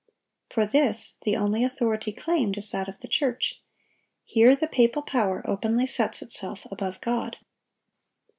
For this the only authority claimed is that of the church. Here the papal power openly sets itself above God.